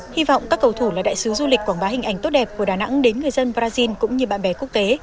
hy vọng các cầu thủ là đại sứ du lịch quảng bá hình ảnh tốt đẹp của đà nẵng đến người dân brazil cũng như bạn bè quốc tế